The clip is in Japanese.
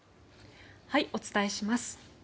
お伝えします。